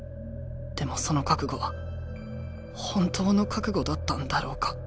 でもその覚悟は本当の覚悟だったんだろうか？